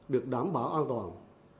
được đảm bảo an toàn